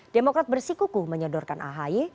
demokrat bersikuku menyedorkan ahy